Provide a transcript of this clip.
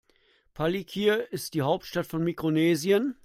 Palikir ist die Hauptstadt von Mikronesien.